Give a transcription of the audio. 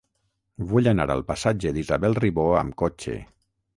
Vull anar al passatge d'Isabel Ribó amb cotxe.